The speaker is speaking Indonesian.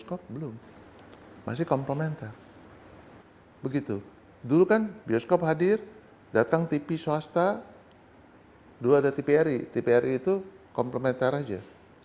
kalau ada tak ada itu artinya